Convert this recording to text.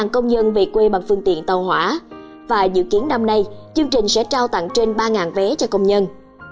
một công nhân về quê bằng phương tiện tàu hỏa và dự kiến năm nay chương trình sẽ trao tặng trên ba vé cho công nhân